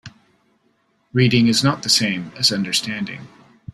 Reading is not the same as understanding.